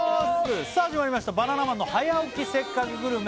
さあ始まりました「バナナマンの早起きせっかくグルメ！！」